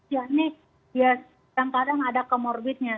ya ini ya terkadang ada kemorbidnya